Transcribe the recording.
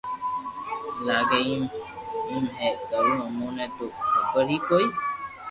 لاگي ايم ھي ڪرو اموني تو خبر ھي ڪوئي